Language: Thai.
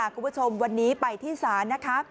คุณผู้ชมวันนี้ไปที่สาร